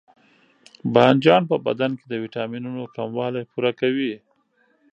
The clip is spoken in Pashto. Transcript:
بانجان په بدن کې د ویټامینونو کموالی پوره کوي.